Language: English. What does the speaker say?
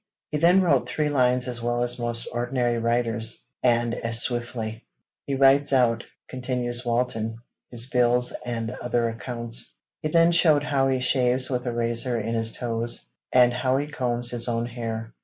He then wrote three lines as well as most ordinary writers, and as swiftly. He writes out,' continues Walton, 'his bills and other accounts. He then showed how he shaves with a razor in his toes, and how he combs his own hair.